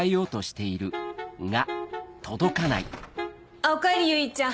あっおかえり結ちゃん。